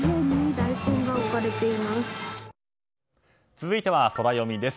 続いてはソラよみです。